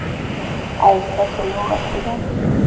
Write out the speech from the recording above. ایا ستاسو لوبه ښه ده؟